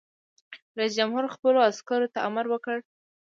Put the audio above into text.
رئیس جمهور خپلو عسکرو ته امر وکړ؛ نوي سرتېري وروزیئ!